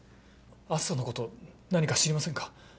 篤斗のこと何か知りませんか？